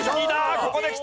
ここできた。